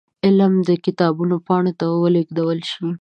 علم د کتابونو پاڼو ته ولېږدول شي.